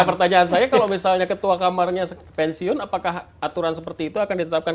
nah pertanyaan saya kalau misalnya ketua kamarnya pensiun apakah aturan seperti itu akan ditetapkan